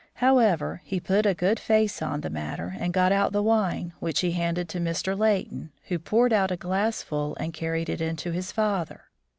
However, he put a good face on the matter and got out the wine, which he handed to Mr. Leighton, who poured out a glassful and carried it in to his father.